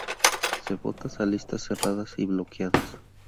Se vota a listas cerradas y bloqueadas.